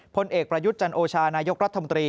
พลเอกประยุทธ์จันโอชานายกรัฐมนตรี